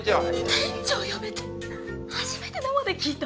店長呼べって初めて生で聞いた！